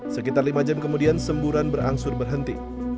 sekitar lima jam kemudian semburan berangsur berhenti